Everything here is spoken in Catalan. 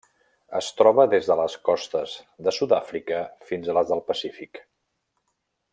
Es troba des de les costes de Sud-àfrica fins a les del Pacífic.